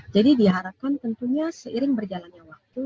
jadi diharapkan tentunya seiring berjalannya waktu